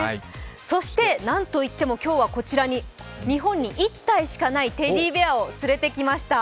そして何といっても今日はこちらに、日本に１体しかないテディベアを連れてきました。